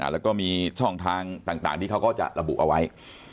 แล้วก็มีช่องทางต่างที่เขาก็จะระบุเอาไว้